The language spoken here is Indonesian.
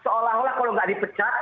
seolah olah kalau nggak dipecat